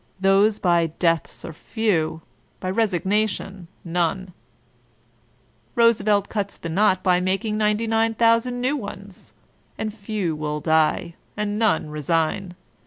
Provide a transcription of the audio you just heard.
Those by deaths are few ; by resignation none." Roosevelt cuts the knot by making 99,000 new ones I And few will die, ««nd none resign.